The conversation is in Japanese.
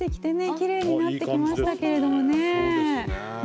きれいになってきましたけれどもね。